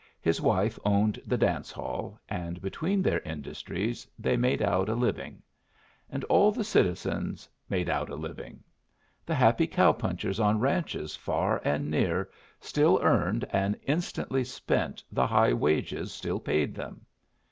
His wife owned the dance hall, and between their industries they made out a living. And all the citizens made out a living. The happy cow punchers on ranches far and near still earned and instantly spent the high wages still paid them.